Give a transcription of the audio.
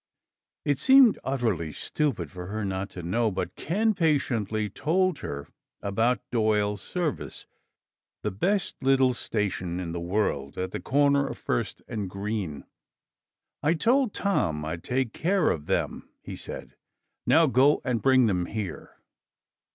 It seemed utterly stupid for her not to know, but Ken patiently told her about Doyle's Service, the best little station in the world, at the corner of First and Green. "I told Tom I'd take care of them," he said. "Now go and bring them here!"